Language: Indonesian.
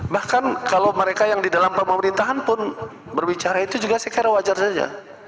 bahkan kalau mereka yang di dalam pemerintahan pun berbicara itu juga saya kira wajar saja